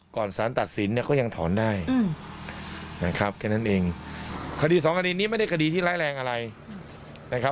สารตัดสินเนี่ยก็ยังถอนได้นะครับแค่นั้นเองคดีสองคดีนี้ไม่ได้คดีที่ร้ายแรงอะไรนะครับ